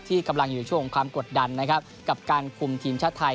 กำลังอยู่ในช่วงของความกดดันนะครับกับการคุมทีมชาติไทย